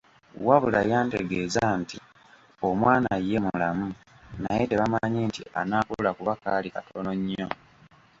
Wabula yantegeeza nti omwana ye mulamu naye tebamanyi nti anaakula kuba kaali katono nnyo.